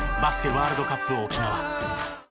ワールドカップ沖縄。